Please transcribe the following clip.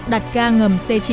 đặt ca ngầm c chín